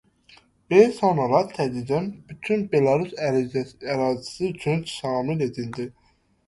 B sonralar tədricən bütün Belarus ərazisi üçün şamil edildi.